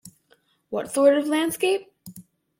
What sort of landscape?